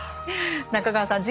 中川さん